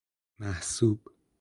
محسوب